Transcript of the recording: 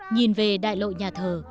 nhìn về đại lộ nhà thờ